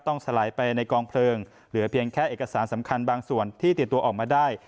สลายไปในกองเพลิงเหลือเพียงแค่เอกสารสำคัญบางส่วนที่ติดตัวออกมาได้